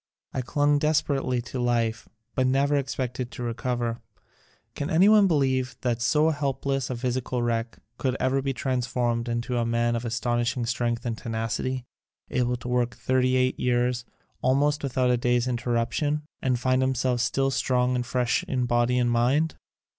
I clung desperately to life, but never ex pected to recover. Can anyone believe that so hopeless a physical wreck could ever be transformed into a man of astonishing strength and tenacity, able to work thirty eight years almost without a day's interrup tion, and find himself still strong and fresh in body and mind?